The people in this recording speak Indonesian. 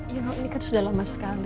you know ini kan sudah lama sekali